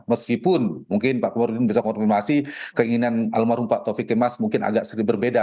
meskipun mungkin pak kumarudin bisa konfirmasi keinginan almarhum pak taufik kemas mungkin agak sedikit berbeda